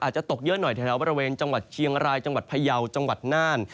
ตกเยอะหน่อยแถวบริเวณจังหวัดเชียงรายจังหวัดพยาวจังหวัดน่าน